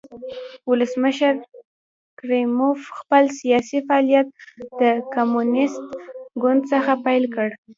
ولسمشر کریموف خپل سیاسي فعالیت د کمونېست ګوند څخه پیل کړ.